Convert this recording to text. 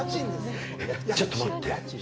ちょっと待って。